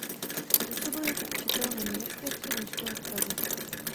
Působil jako učitel na německé střední škole v Praze.